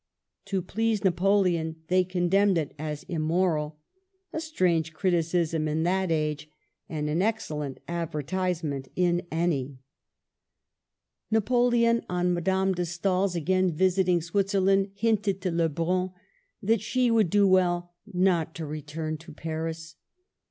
To please Napol eon, they condemned it as immoral — a strange criticism in that age, and an excellent advertise ment in any. Digitized by VjOOQLC MEETS NAPOLEON. 107 Napoleon, on Madame de Stael's again visiting Switzerland, hinted to Lebrun that she would do well not to return to Paris.